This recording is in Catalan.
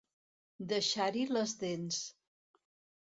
Deixar-hi les dents.